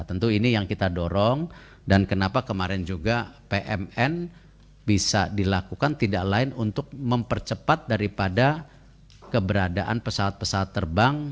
tentu ini yang kita dorong dan kenapa kemarin juga pmn bisa dilakukan tidak lain untuk mempercepat daripada keberadaan pesawat pesawat terbang